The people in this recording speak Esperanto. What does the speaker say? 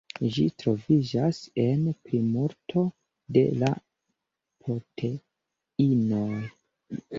Ĝi troviĝas en plimulto de la proteinoj.